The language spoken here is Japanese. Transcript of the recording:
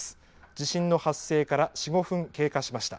地震の発生から４５分経過しました。